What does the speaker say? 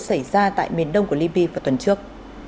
xảy ra tại miền đông của libya vào tuần trước